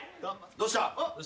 どうした？